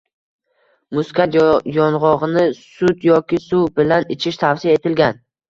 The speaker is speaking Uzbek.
Muskat yongʻogʻini sut yoki suv bilan ichish tavsiya etilgan.